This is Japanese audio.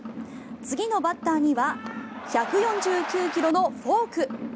次のバッターには１４９ｋｍのフォーク。